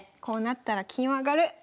こうなったら金を上がる！